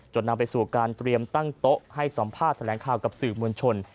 นำไปสู่การเตรียมตั้งโต๊ะให้สัมภาษณ์แถลงข่าวกับสื่อมวลชน